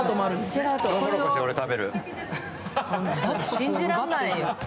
信じらんないよ。